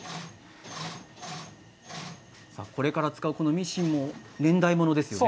これから使うミシンも年代物ですね。